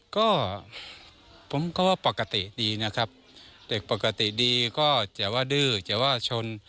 ก็ผมก็ว่าปกติดีนะครับเด็กปกติดีก็จะว่าดื้อแต่ว่าชน